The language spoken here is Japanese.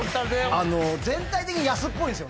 あの全体的に安っぽいんすよね。